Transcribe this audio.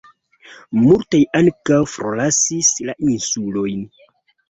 Multaj ankaŭ forlasis la insulojn.